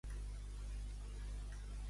Quina edat tenia Sem quan va néixer Arfaxad?